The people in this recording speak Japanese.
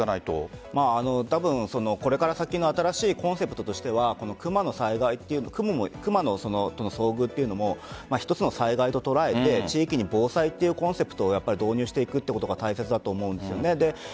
これから先の新しいコンセプトとしてはクマとの遭遇というのも一つの災害と捉えて地域に防災というコンセプトを導入していくことが大切だと思うんです。